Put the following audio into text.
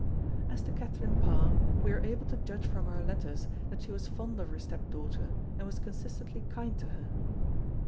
As to Catherine Parr we are able to judge from her letters that she was fond of her step daughter and was consistently kind to her.